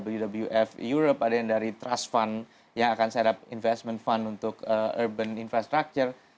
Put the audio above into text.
wwf europe ada yang dari trust fund yang akan saya up investment fund untuk urban infrastructure